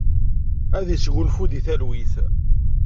Ad isgunfu di talwit.